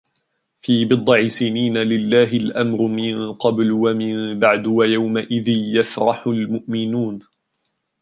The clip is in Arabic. في بضع سنين لله الأمر من قبل ومن بعد ويومئذ يفرح المؤمنون